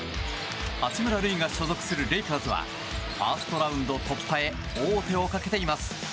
八村塁が所属するレイカーズはファーストラウンド突破へ王手をかけています。